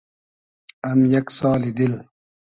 ام یئگ سالی دیل